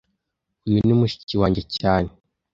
Uyu ni mushiki wanjye cyane